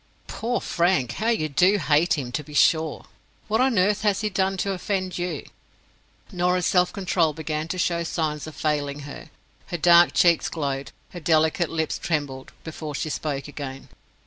"Poor Frank! How you do hate him, to be sure. What on earth has he done to offend you?" Norah's self control began to show signs of failing her. Her dark cheeks glowed, her delicate lips trembled, before she spoke again.